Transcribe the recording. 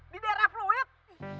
di daerah fluid